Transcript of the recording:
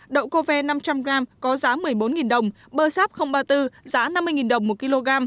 đậu kov năm trăm linh g có giá một mươi bốn đồng bơ sáp ba mươi bốn giá năm mươi đồng một kg